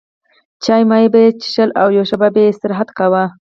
چای مای به یې څښل او یوه شېبه به یې استراحت کاوه.